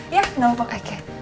iya gak lupa kakek